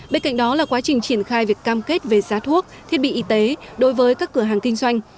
bên cạnh đó là quá trình triển khai việc cam kết về giá thuốc thiết bị y tế đối với các cửa hàng kinh doanh